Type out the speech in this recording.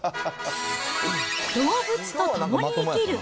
動物と共に生きる。